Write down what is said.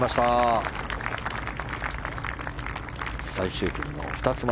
最終組の２つ前。